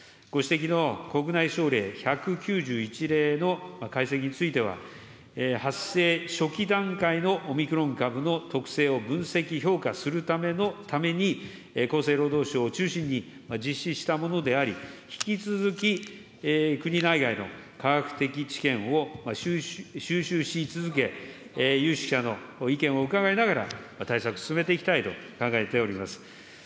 ご指摘の国内症例１９１例の解析については、発生初期段階のオミクロン株の特性を分析・評価するために、厚生労働省を中心に実施したものであり、引き続き、国内外の科学的知見を収集し続け、有識者の意見を伺いながら、対策進めていきたいと考えております。